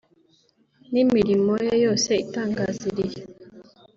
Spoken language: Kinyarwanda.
n'imirimo ye yose itangaza irihe